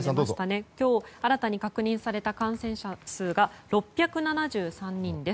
今日、新たに確認された感染者数は６７３人です。